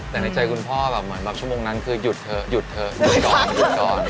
แต่ในใจคุณพ่อแบบเหมือนแบบชั่วโมงนั้นคือหยุดเถอะหยุดเถอะหยุดก่อนหยุดก่อน